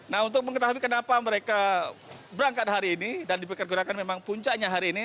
nah untuk mengetahui kenapa mereka berangkat hari ini dan diperkirakan memang puncaknya hari ini